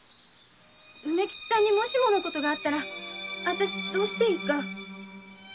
梅吉さんにもしものことがあったら私どうしていいか。